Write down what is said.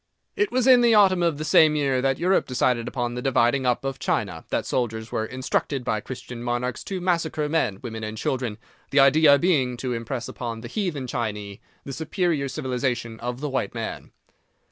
It was in the autumn of the same year that Europe decided upon the dividing up of China, that soldiers were instructed by Christian monarchs to massacre men, women and children, the idea being to impress upon the Heathen Chinee the superior civilization of the white man.